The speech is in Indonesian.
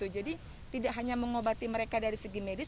jadi tidak hanya mengobati mereka dari segi medis